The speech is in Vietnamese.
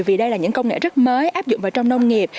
vì đây là những công nghệ rất mới áp dụng vào trong nông nghiệp